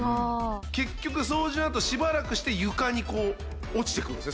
結局掃除のあとしばらくして床にこう落ちてくるんですね